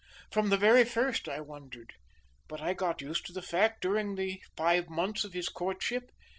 From the very first I wondered. But I got used to the fact during the five months of his courtship.